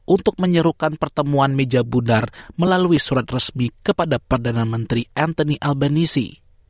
untuk menyerukan pertemuan meja budar melalui surat resmi kepada perdana menteri anthony albenesi